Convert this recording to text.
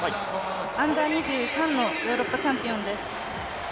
Ｕ−２３のヨーロッパチャンピオンです。